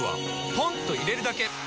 ポンと入れるだけ！